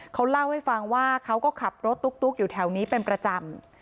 เขาเล่าให้ฟังว่าเขาก็ขับรถตุ๊กอยู่แถวนี้เป็นประจำ